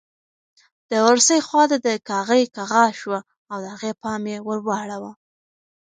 د اورسۍ خواته د کاغۍ کغا شوه او د هغې پام یې ور واړاوه.